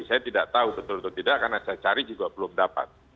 saya tidak tahu betul atau tidak karena saya cari juga belum dapat